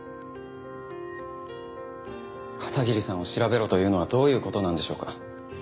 片桐さんを調べろというのはどういう事なんでしょうか？